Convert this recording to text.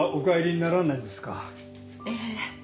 ええ。